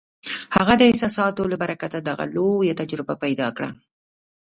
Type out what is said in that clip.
هغه د احساساتو له برکته دغه لویه تجربه پیدا کړه